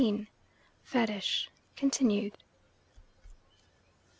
FETISH (continued).